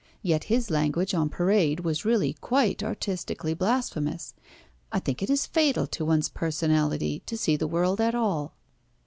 Yet his language on parade was really quite artistically blasphemous. I think it is fatal to one's personality to see the world at all."